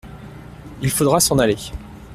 Il faudra s’en aller.